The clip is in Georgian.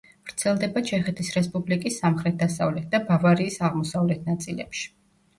ვრცელდება ჩეხეთის რესპუბლიკის სამხრეთ-დასავლეთ და ბავარიის აღმოსავლეთ ნაწილებში.